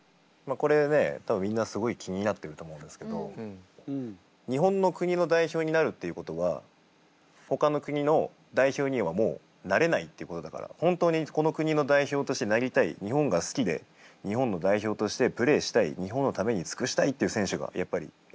これね多分みんなすごい気になってると思うんですけど日本の国の代表になるっていうことはほかの国の代表にはもうなれないってことだから本当にこの国の代表としてなりたい日本が好きで日本の代表としてプレーしたい日本のために尽くしたいっていう選手がやっぱり選ばれているわけ。